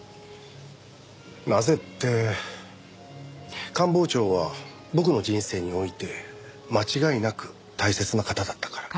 なぜって官房長は僕の人生において間違いなく大切な方だったから。